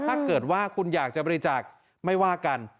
ถ้าเกิดว่าคุณอยากจะบริจาคไม่ว่ากัน